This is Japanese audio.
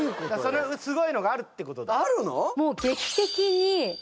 そのすごいのがあるってことだあるの？